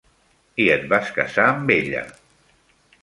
I et vas casar amb ella.